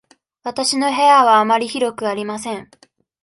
わたしの部屋はあまり広くありません。